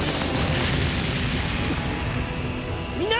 みんな！